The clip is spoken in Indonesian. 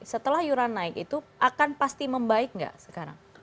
setelah yuran naik itu akan pasti membaik nggak sekarang